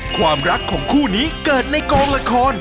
ความรักของคู่นี้เกิดในกองละคร